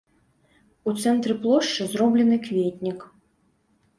У цэнтры плошчы зроблены кветнік.